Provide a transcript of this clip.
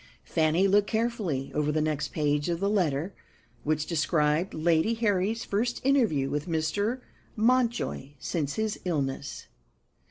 Fanny looked carefully over the next page of the letter, which described Lady Harry's first interview with Mr. Mountjoy since his illness.